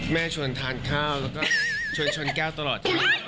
แม่ชวนทานข้าวและก็ชวนชนแก้วตลอด